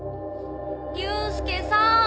悠介さん。